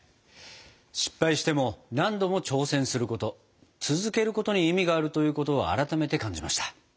失敗しても何度も挑戦すること続けることに意味があるということを改めて感じました。